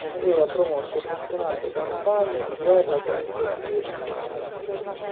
Aveva promosso fortunate campagne di guerra contro i birmani.